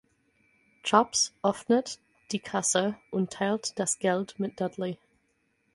Chops öffnet die Kasse und teilt das Geld mit Dudley.